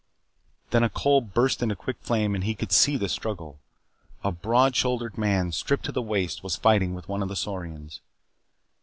Then a coal burst into quick flame and he could see the struggle. A broad shouldered man, stripped to the waist, was fighting with one of the saurians.